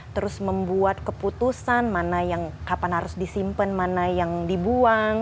terus membuat keputusan mana yang kapan harus disimpan mana yang dibuang